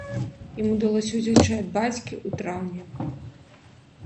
Ім удалося ўцячы ад бацькі ў траўні.